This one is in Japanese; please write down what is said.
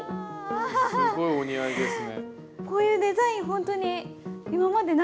すごいお似合いですね。